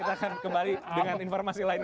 kita akan kembali dengan informasi lain